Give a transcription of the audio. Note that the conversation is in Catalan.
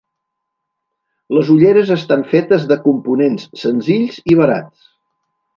Les ulleres estan fetes de components senzills i barats.